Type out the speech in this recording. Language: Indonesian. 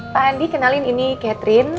pak andi kenalin ini catherine